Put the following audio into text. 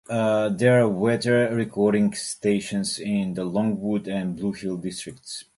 There are weather recording stations in the Longwood and Blue Hill districts.